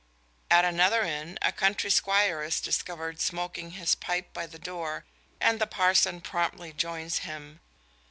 At another inn a country squire is discovered smoking his pipe by the door and the parson promptly joins him.